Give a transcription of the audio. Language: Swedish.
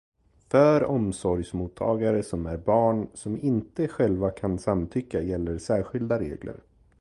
För omsorgsmottagare som är barn som inte själva kan samtycka gäller särskilda regler.